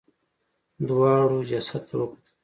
دواړو جسد ته وکتل.